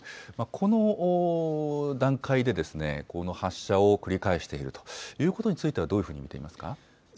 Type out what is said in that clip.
この段階でこの発射を繰り返しているということについては、どういうふうに見ていますか。